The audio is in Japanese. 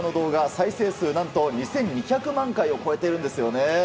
再生数何と２２００万回を超えてるんですよね。